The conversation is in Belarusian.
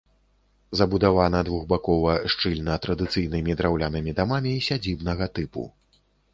Забудавана двухбакова, шчыльна, традыцыйнымі драўлянымі дамамі сядзібнага тыпу.